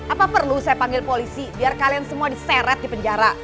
apa perlu saya panggil polisi biar kalian semua diseret di penjara